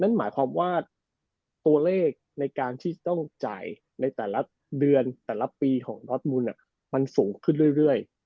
นั่นหมายความว่าตัวเลขในการที่จะต้องจ่ายในแต่ละเดือนแต่ละปีของนอสมุนมันสูงขึ้นเรื่อย